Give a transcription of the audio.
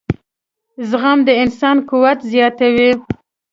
• زغم د انسان قوت زیاتوي.